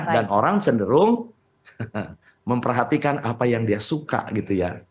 dan orang cenderung memperhatikan apa yang dia suka gitu ya